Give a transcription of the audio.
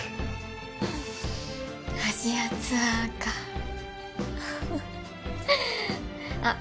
アジアツアーかあっ